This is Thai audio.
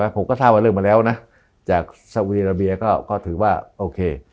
ผมก็ทราบว่าเริ่มมาแล้วนะจากสวีราเบียก็ถือว่าโอเค